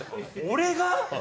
俺が？